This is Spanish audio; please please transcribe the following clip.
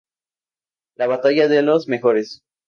La batalla de los mejores.